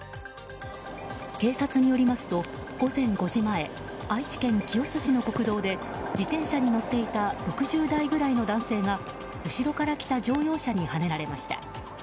警察によりますと午前５時前愛知県清須市の国道で自転車に乗っていた６０代ぐらいの男性が後ろから来た乗用車にはねられました。